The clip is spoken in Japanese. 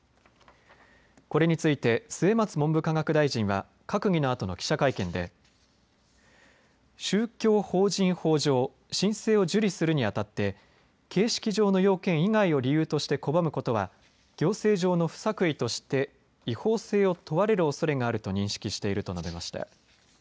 これについて末松文部科学大臣は閣議のあとの記者会見で宗教法人法上、申請を受理するにあたって形式上の要件以外を理由として拒むことは行政上の不作為として違法性を問われるおそれがあると認識していると述べました。